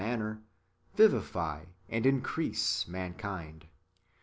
447 manner, vivify and increase mankind.